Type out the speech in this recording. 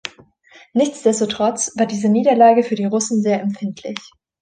Nichtsdestotrotz war diese Niederlage für die Russen sehr empfindlich.